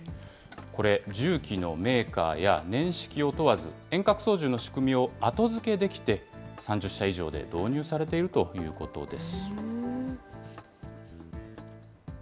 これ、重機のメーカーや年式を問わず、遠隔操縦の仕組みを後付けできて、３０社以上で導入されているということです。